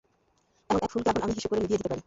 এমন এক ফুলকি আগুন আমি হিসু করে নিভিয়ে দিতে পারি।